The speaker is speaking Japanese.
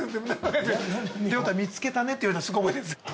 ◆亮太、見つけたねって言われたのすごい覚えてるんですよ。